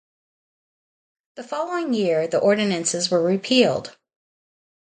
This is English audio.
The following year, the ordinances were repealed.